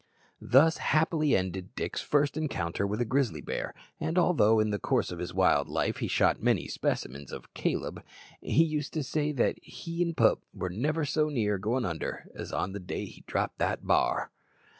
Thus happily ended Dick's first encounter with a grizzly bear; and although, in the course of his wild life, he shot many specimens of "Caleb," he used to say that "he an' pup were never so near goin' under as on the day he dropped that bar!"